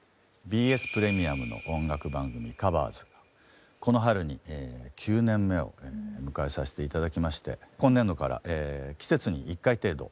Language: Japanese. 「ＢＳプレミアム」の音楽番組「ＴｈｅＣｏｖｅｒｓ」がこの春に９年目を迎えさして頂きまして今年度から季節に１回程度。